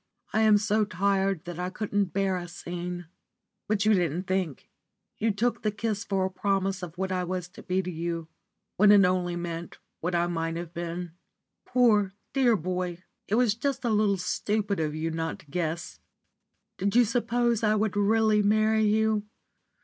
I am so tired that I couldn't bear a scene. But you didn't think. You took the kiss for a promise of what I was to be to you, when it only meant what I might have been. Poor, dear boy! it was just a little stupid of you not to guess. Did you suppose I would really marry you?